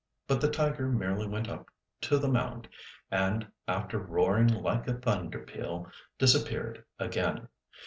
But the tiger merely went up to the mound, and, after roaring like a thunder peal, disappeared again.